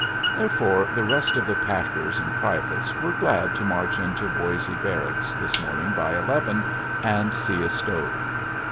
Therefore the rest of the packers and privates were glad to march into Boisé Barracks this morning by eleven, and see a stove.